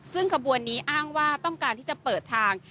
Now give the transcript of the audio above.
ซึ่งขบวนนี้อ้างว่าต้องการที่จะเปิดทาง